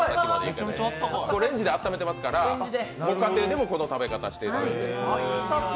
レンジであっためてますからご家庭でもこの食べ方していただける。